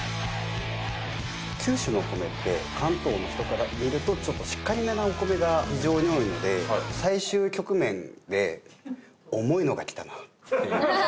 九州のお米って関東の人から見るとちょっとしっかりめなお米が非常に多いので最終局面で重いのがきたなって。